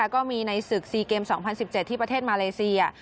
ก็มีในศึก๔เกม๒๐๑๗ที่ประเทศมาเลเซีย